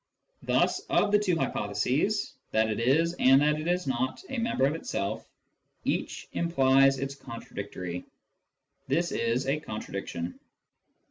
Thus of the two hypo theses — that it is, and that it is not, a member of itself — each implies its contradictory. This is a contradiction.